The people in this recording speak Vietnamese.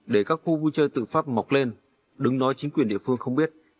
để các khu vui chơi tự phát mọc lên đứng nói chính quyền địa phương không biết